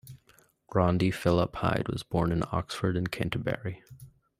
Rodney Philip Hide was born in Oxford in Canterbury.